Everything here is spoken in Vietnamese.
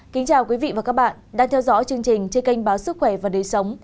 kính chào quý vị và các bạn đang theo dõi chương trình trên kênh báo sức khỏe và đời sống